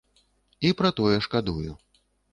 І пра тое шкадую.